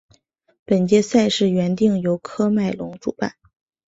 本届赛事原定由喀麦隆主办。